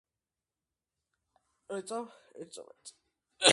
ეკლესია ექვემდებარება სომხური სამოციქულო ეკლესიის საქართველოს ეპარქიას.